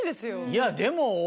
いやでも。